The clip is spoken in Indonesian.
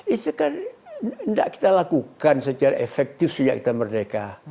itu kan tidak kita lakukan secara efektif sejak kita merdeka